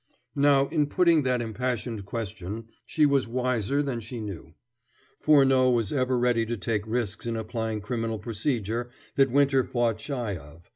Now, in putting that impassioned question, she was wiser than she knew. Furneaux was ever ready to take risks in applying criminal procedure that Winter fought shy of.